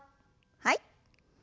はい。